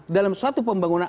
dalam suatu pembangunan